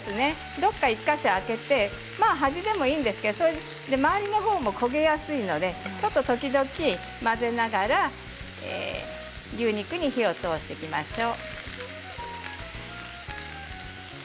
どこか１か所空けて周りのほうも焦げやすいので時々、混ぜながら牛肉に火を通していきましょう。